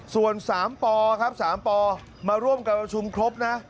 ส่วนสามปอครับสามปอมาร่วมกับราชุมครบนะ